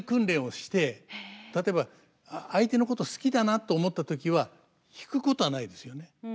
例えば相手のこと好きだなと思った時は引くことはないですよね。